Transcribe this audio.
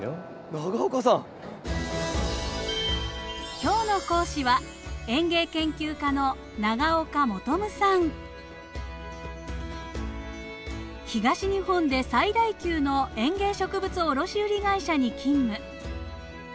今日の講師は東日本で最大級の園芸植物卸売り会社に勤務。